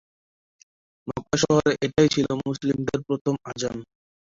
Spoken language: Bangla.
মক্কা শহরে এটাই ছিল মুসলিমদের প্রথম আযান।